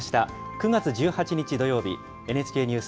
９月１８日土曜日ＮＨＫニュース